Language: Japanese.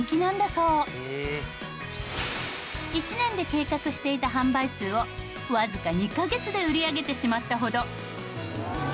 １年で計画していた販売数をわずか２カ月で売り上げてしまったほど。